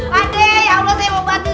pade allah saya mau bantu